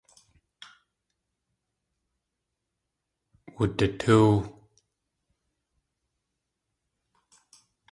Wuditóow.